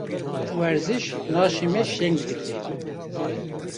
Werziş, laşê me şeng dike.